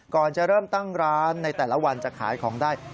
ก่อนจะเริ่มตั้งร้านในแต่ละวันจะขายของได้